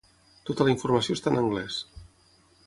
Tota la informació està en anglès.